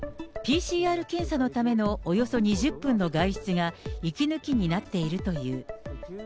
ＰＣＲ検査のためのおよそ２０分の外出が、息抜きになっているという。